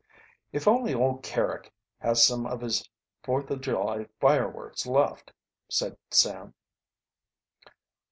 "If only old Carrick has some of his Fourth of July fireworks left," said Sam.